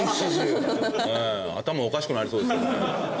頭おかしくなりそうですけどね。